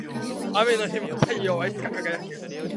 雨の日も太陽はいつか輝く